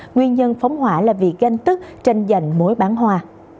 nguyên nhân phóng hỏa là việc ganh tức tranh giành mối bán hòa